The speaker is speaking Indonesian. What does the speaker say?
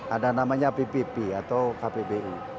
ada namanya ppp atau kpbu